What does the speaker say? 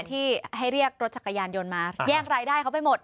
ที่ให้เรียกรถจักรยานยนต์มาแยกรายได้เขาไปหมด